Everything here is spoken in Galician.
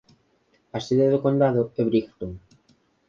A sede do condado é Brighton.